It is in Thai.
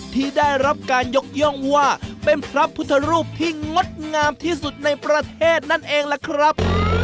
ที่ได้รับการยกย่องว่าเป็นพระพุทธรูปที่งดงามที่สุดในประเทศนั่นเองล่ะครับ